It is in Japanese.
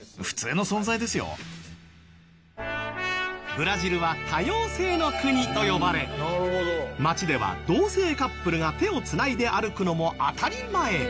ブラジルは「多様性の国」と呼ばれ街では同性カップルが手を繋いで歩くのも当たり前。